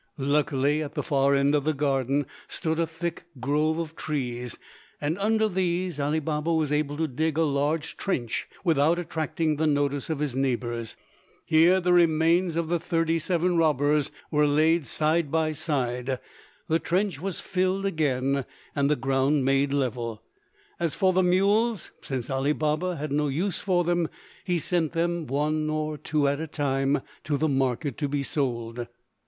Luckily at the far end of the garden stood a thick grove of trees, and under these Ali Baba was able to dig a large trench without attracting the notice of his neighbours. Here the remains of the thirty seven robbers were laid side by side, the trench was filled again, and the ground made level. As for the mules, since Ali Baba had no use for them, he sent them, one or two at a time, to the market to be sold.